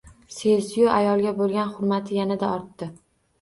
Sezdiyu ayolga bo‘lgan hurmati yanada ortdi